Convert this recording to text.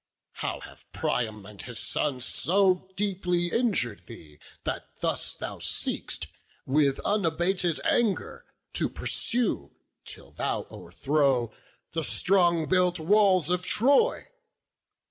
how have Priam and his sons So deeply injur'd thee, that thus thou seek'st With unabated anger to pursue, Till thou o'erthrow, the strong built walls of Troy?